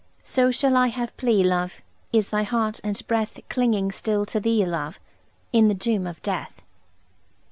So shall I have plea, love, Is thy heart andbreath Clinging still to thee, love, In the doom of death.